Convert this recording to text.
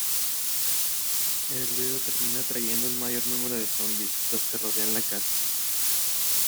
El ruido termina atrayendo un mayor número de zombis, los que rodean la casa.